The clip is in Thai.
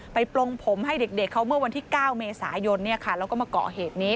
ปลงผมให้เด็กเขาเมื่อวันที่๙เมษายนแล้วก็มาเกาะเหตุนี้